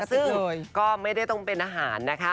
ซึ่งก็ไม่ได้ต้องเป็นอาหารนะคะ